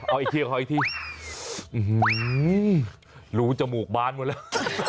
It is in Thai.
เอาอีกทีรูจมูกบานหมดแล้ว